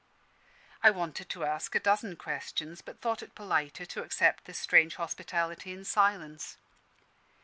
I wanted to ask a dozen questions, but thought it politer to accept this strange hospitality in silence.